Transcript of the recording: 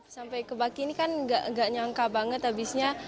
sampai kebaki ini kan gak nyangka banget abisnya